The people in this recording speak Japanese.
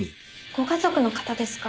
ご家族の方ですか？